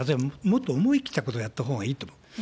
もっと思い切ったことをやったほうがいいと思う。